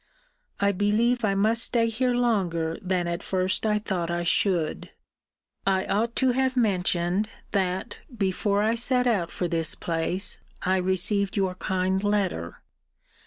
I believe I must stay here longer than at first I thought I should. I ought to have mentioned, that, before I set out for this place, I received your kind letter.